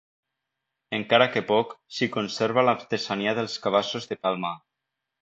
Encara que poc, s'hi conserva l'artesania dels cabassos de palma.